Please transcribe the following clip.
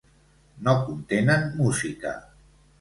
No contenen música.